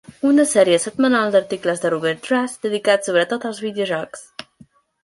Una sèrie setmanal d'articles de Robert Rath dedicats sobretot als videojocs.